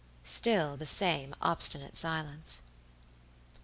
Still the same obstinate silence.